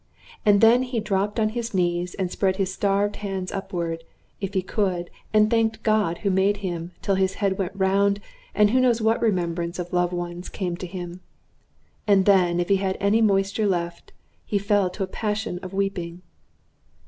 And then he dropped on his knees and spread his starved hands upward, if he could, and thanked the God who made him, till his head went round, and who knows what remembrance of loved ones came to him? And then, if he had any moisture left, he fell to a passion of weeping.